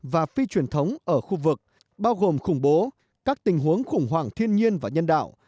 và phi truyền thống ở khu vực bao gồm khủng bố các tình huống khủng hoảng thiên nhiên và nhân đạo